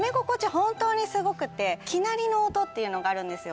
本当にすごくて絹鳴りの音っていうのがあるんですよ